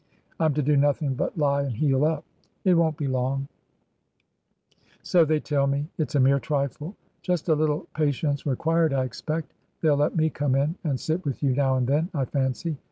I'm to do nothing but lie and heal up." " It won't be long." 296 TRANSITION. " So they tell me. It's a mere trifle." " Just a little patience required, I expect. They'll let me come in and sit with you now and then, I fancy."